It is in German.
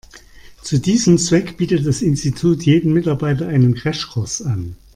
Zu diesem Zweck bietet das Institut jedem Mitarbeiter einen Crashkurs an.